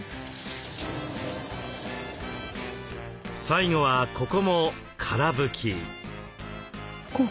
最後はここもから拭き。